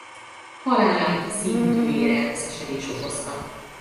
Halálát szívütőér-elmeszesedés okozta.